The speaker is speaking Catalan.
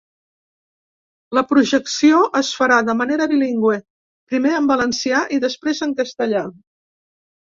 La projecció es farà de manera bilingüe, primer en valencià i després en castellà.